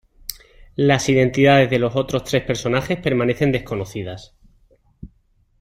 Las identidades de los otros tres personajes permanecen desconocidas.